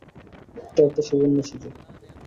এটা একটা সুবর্ণ সুযোগ।